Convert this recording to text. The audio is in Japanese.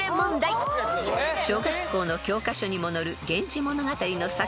［小学校の教科書にも載る『源氏物語』の作者］